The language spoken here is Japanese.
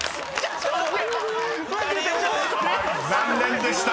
［残念でした］